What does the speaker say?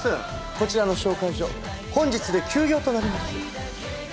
こちらの紹介所本日で休業となります。